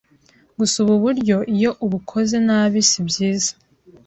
Gusa ubu buryo iyo ubukoze nabi sibyiza